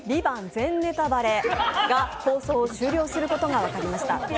全ネタバレが放送終了することが分かりました。